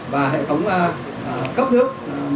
và hệ thống cấp nước